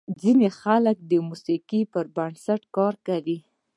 ځینې خلک د موسیقۍ پر بنسټ کار کوي.